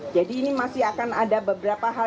jadi ini masih akan ada beberapa hal